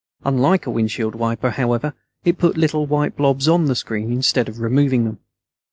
Unlike a windshield wiper, however, it put little white blobs on the screen, instead of removing them.